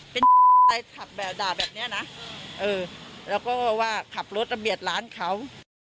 เป็นไปขับแบบด่าแบบนี้นะแล้วก็ว่าขับรถระเบียดร้านเขา